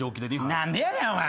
何でやねんお前！